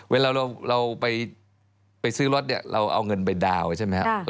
เวลาเราไปซื้อรถเนี่ยเราเอาเงินไปดาวน์ใช่ไหมครับ